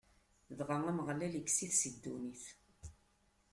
Dɣa Ameɣlal ikkes-it si ddunit.